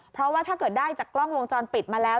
เพราะว่าถ้าเกิดได้จากกล้องวงจรปิดมาแล้ว